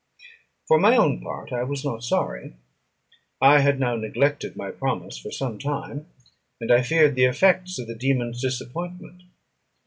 For my own part I was not sorry. I had now neglected my promise for some time, and I feared the effects of the dæmon's disappointment.